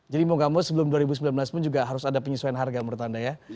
jadi mau gak mau sebelum dua ribu sembilan belas pun juga harus ada penyesuaian harga menurut anda ya